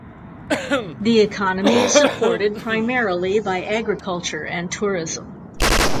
The economy is supported primarily by agriculture and tourism.